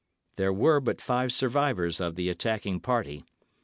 There were but five survivors of the attacking party.